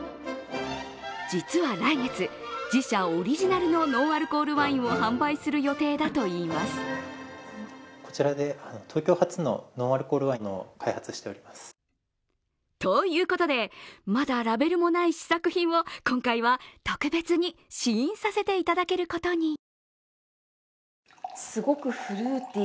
実は来月、自社オリジナルのノンアルコールワインを販売する予定だといいます。ということで、まだラベルもない試作品を今回は特別に試飲させていただけることに。